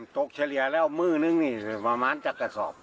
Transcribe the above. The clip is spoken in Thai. เฉลี่ยแล้วมื้อนึงนี่ประมาณจากกระสอบ